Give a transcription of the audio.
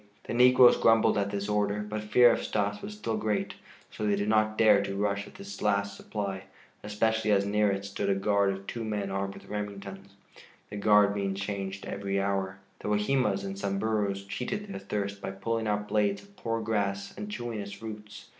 The negroes grumbled at this order, but fear of Stas was still great; so they did not dare to rush at this last supply, especially as near it stood a guard of two men armed with Remingtons, the guard being changed every hour. The Wahimas and Samburus cheated their thirst by pulling out blades of poor grass and chewing its roots.